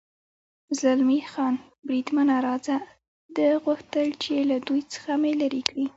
زلمی خان: بریدمنه، راځه، ده غوښتل چې له دوی څخه مې لرې کړي.